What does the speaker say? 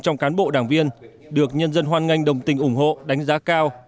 trong cán bộ đảng viên được nhân dân hoan nghênh đồng tình ủng hộ đánh giá cao